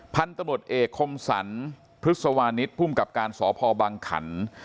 พันธุ์ตำรวจเอกคมสรรพฤษวานิสภูมิกับการสพบังขัน